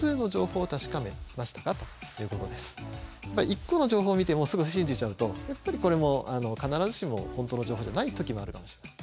一個の情報を見てもうすぐ信じちゃうとやっぱりこれも必ずしも本当の情報じゃない時もあるかもしれない。